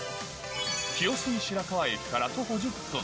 清澄白河駅から徒歩１０分。